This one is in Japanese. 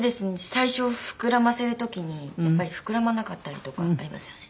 最初膨らませる時にやっぱり膨らまなかったりとかありますよね。